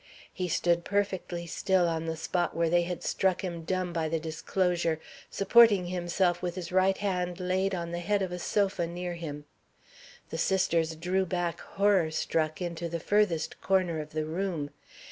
He stood perfectly still on the spot where they had struck him dumb by the disclosure, supporting himself with his right hand laid on the head of a sofa near him. The sisters drew back horror struck into the furthest corner of the room.